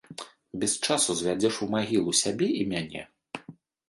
Без часу звядзеш у магілу сябе і мяне.